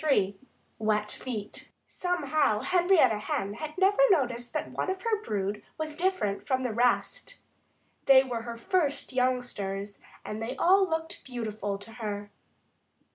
III WET FEET Somehow Henrietta Hen never noticed that one of her brood was different from the rest. They were her first youngsters and they all looked beautiful to her.